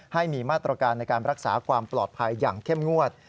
ให้มีมาตรการในการรักษาความปลอดภัยอย่างเข้มงวด